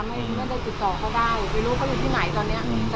ไม่ได้ติดต่อเขาได้ไม่รู้เขาอยู่ที่ไหนตอนนี้